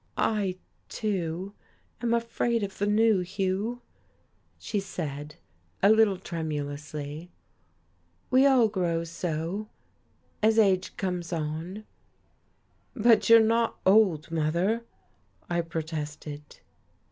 "I, too, am afraid of the new, Hugh," she said, a little tremulously. "We all grow so, as age comes on." "But you are not old, mother," I protested.